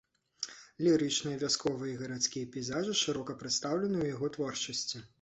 Лірычныя, вясковыя і гарадскія пейзажы шырока прадстаўлены ў яго творчасці.